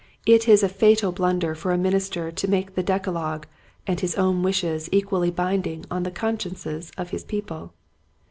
It is a fatal blunder for a minister to make the decalogue and his own wishes equally binding on the consciences of his people.